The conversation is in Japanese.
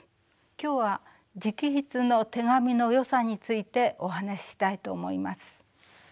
今日は直筆の手紙のよさについてお話ししたいと思います。